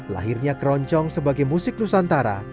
lahirnya keroncong sebagai musik nusantara